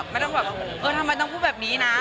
ไม่ต้องแบบเออทำไมต้องพูดแบบนี้นะ